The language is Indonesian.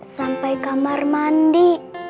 sampai kamar mandi